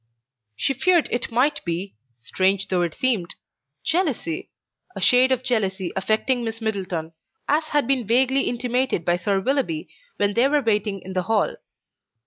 She feared it might be, strange though it seemed, jealousy, a shade of jealousy affecting Miss Middleton, as had been vaguely intimated by Sir Willoughby when they were waiting in the hall.